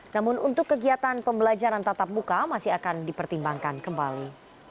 namun untuk kegiatan pembelajaran tatap muka masih akan dipertimbangkan kembali